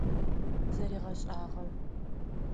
Зэригъэшӏэгъахэ.